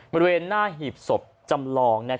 บริเวณหน้าหีบศพจำลอง